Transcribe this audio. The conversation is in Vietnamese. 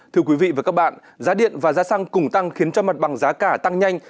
thưa quý vị và các bạn giá điện và giá xăng cùng tăng khiến cho mặt bằng giá cả tăng nhanh